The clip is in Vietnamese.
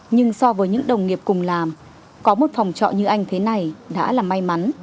nhưng so với những đồng nghiệp cùng làm có một phòng trọ như anh thế này đã là may mắn